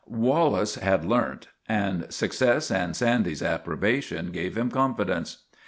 Wallace had " learnt," and success and Sandy's approbation gave him confidence.